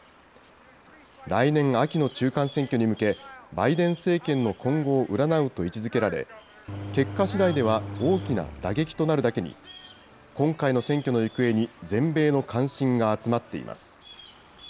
来年秋の中間選挙に向け、バイデン政権の今後を占うと位置づけられ、結果しだいでは大きな打撃となるだけに、今回の選挙の行方に全米の関心が集まっています。